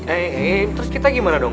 eh terus kita gimana dong